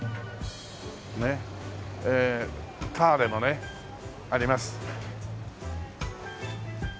ターレもねあります。